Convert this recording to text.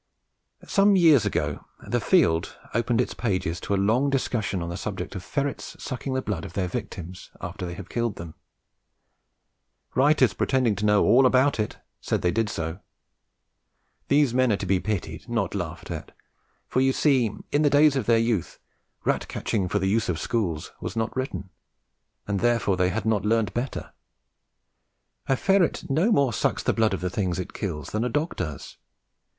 Some years ago the Field opened its pages to a long discussion on the subject of ferrets sucking the blood of their victims after they have killed them. Writers pretending to know all about it said they did do so. These men are to be pitied, not laughed at, for you see in the days of their youth "Rat catching for the Use of Schools" was not written, and therefore they had not learnt better. A ferret no more sucks the blood of the things it kills than a dog does.